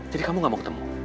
jadi kamu gak mau ketemu